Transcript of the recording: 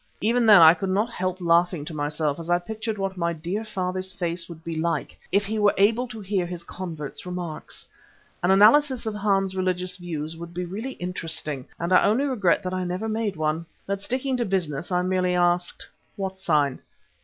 Even then I could not help laughing to myself as I pictured what my dear father's face would be like if he were able to hear his convert's remarks. An analysis of Hans's religious views would be really interesting, and I only regret that I never made one. But sticking to business I merely asked: "What sign?"